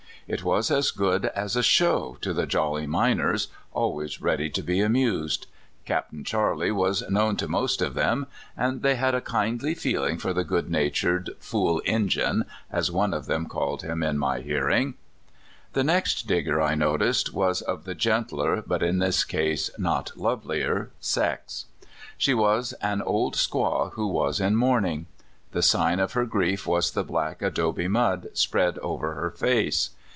It was as good as a *' show" to the jolly miners, always ready to be amused. Capt. Charley was known to 136 CALIFORNIA SKETCHES. most of them, and they had a kindly feeling for the good natured " fool Injun," as one of them called him in my hearing. The next Digger I noticed was of the gentler (but in this case not lovelier) sex. She was an old squaw who was in mourning. The sign of her grief was the black adobe mud spread over her face.